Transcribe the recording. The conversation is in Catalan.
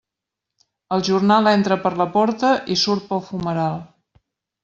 El jornal entra per la porta i surt pel fumeral.